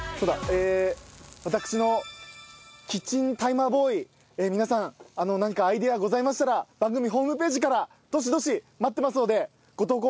え私のキッチンタイマーボーイ皆さん何かアイデアございましたら番組ホームページからどしどし待ってますのでご投稿